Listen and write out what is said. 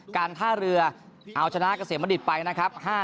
การท่าเรือเอาชนะเกษมบัณฑิตไปนะครับ